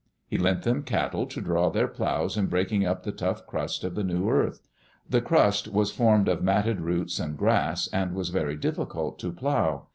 He lent them cattle to draw their plows in breaking up the tough crust of the new earth. The crust was formed of matted roots and grass, and was very difficult to plow.